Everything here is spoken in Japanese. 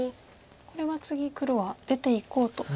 これは次黒は出ていこうと。